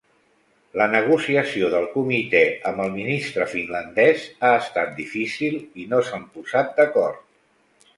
La negociació del Comité amb el ministre finlandés ha estat difícil i no s'han posat d'acord.